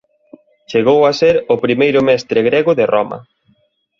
Chegou a ser o primeiro mestre grego de Roma.